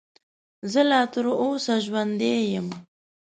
زه لا تر اوسه ژوندی یم .